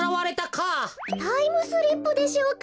タイムスリップでしょうか？